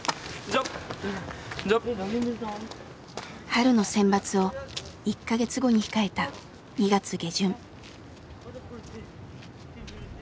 春の選抜を１か月後に控えた２月下旬。